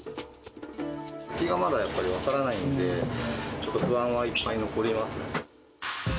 先がやっぱ分からないので、ちょっと不安はいっぱい残りますね。